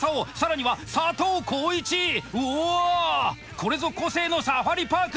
これぞ個性のサファリパーク！